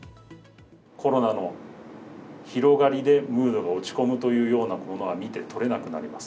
コロナの広がりでムードが落ち込むというようなものは、見て取れなくなります。